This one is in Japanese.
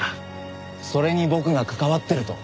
それに僕が関わってると？